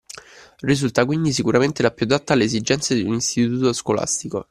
Risulta quindi sicuramente la più adatta alle esigenze di un istituto scolastico.